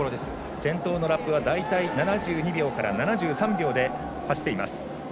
先頭のラップが大体７２秒から７３秒で走っています。